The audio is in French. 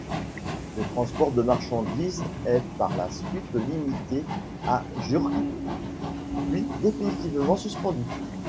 Le transport de marchandises est par la suite limité à Jurques, puis définitivement suspendu.